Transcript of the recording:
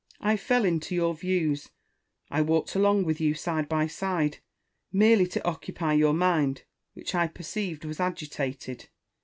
I fell into your views, I walked along M'ith you side by side, merely to occupy your mind, which I perceived was agitated.